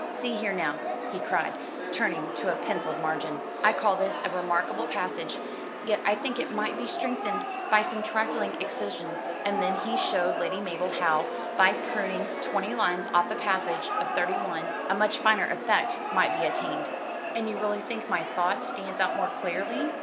"See here now," he cried, turning to a pencilled margin; "I call this a remarkable passage, yet I think it might be strengthened by some trifling excisions;" and then he showed Lady Mabel how, by pruning twenty lines off a passage of thirty one, a much finer effect might be attained. "And you really think my thought stands out more clearly?"